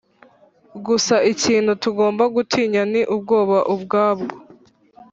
gusa ikintu tugomba gutinya ni ubwoba ubwabwo.